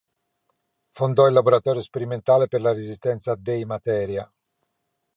Fondò il Laboratorio sperimentale per la resistenza dei materia.